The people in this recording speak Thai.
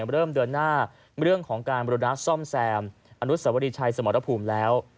เริ่มเดินหน้าเรื่องของการบริณาซ่อมแซมอนุสวรีชัยสมรภูมิแล้ว